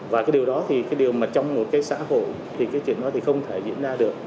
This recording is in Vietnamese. và cái điều đó thì cái điều mà trong một cái xã hội thì cái chuyện đó thì không thể diễn ra được